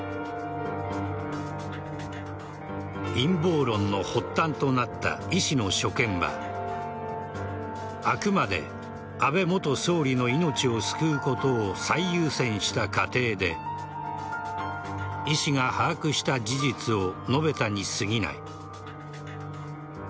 陰謀論の発端となった医師の所見はあくまで安倍元総理の命を救うことを最優先した過程で医師が把握した事実を述べたに過ぎない。